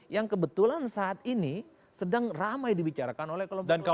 yang kebetulan saat ini sedang ramai dibicarakan oleh kelompok kelompok